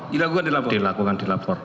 dilakukan di lapor